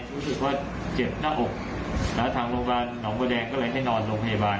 รู้สึกว่าเจ็บหน้าอกทางโรงพยาบาลหนองบัวแดงก็เลยให้นอนโรงพยาบาล